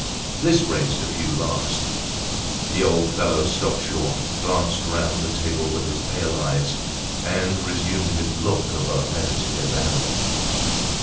This raised a few laughs. The old fellow stopped short, glanced round the table with his pale eyes and resumed his look of a meditative animal.